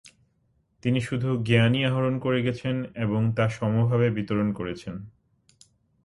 তিনি শুধু জ্ঞানই আহরণ করে গেছেন এবং তা সমভাবে বিতরণ করেছেন।